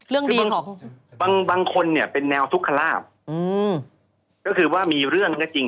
เรื่องดีของบางบางคนเนี่ยเป็นแนวทุกขลาดอืมก็คือว่ามีเรื่องก็จริง